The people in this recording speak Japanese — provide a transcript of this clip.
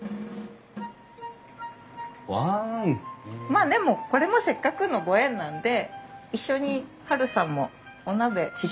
まあでもこれもせっかくのご縁なんで一緒にハルさんもお鍋試食会に参加しません？